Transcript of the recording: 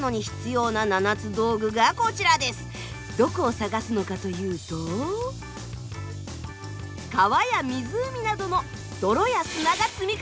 どこを探すのかというと川や湖などの泥や砂が積み重なった地層。